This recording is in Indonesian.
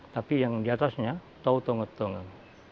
tapi yang diatasnya tau tau tengah